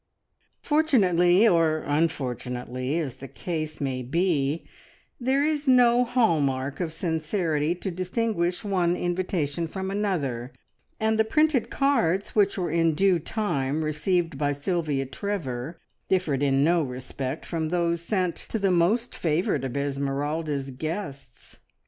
Fortunately or unfortunately as the case may be, there is no hall mark of sincerity to distinguish one invitation from another, and the printed cards which were in due time received by Sylvia Trevor differed in no respect from those sent to the most favoured of Esmeralda's guests.